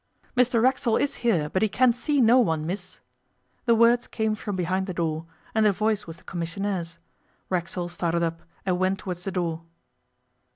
'Mr Racksole is here, but he can see no one, Miss.' The words came from behind the door, and the voice was the commissionaire's. Racksole started up, and went towards the door.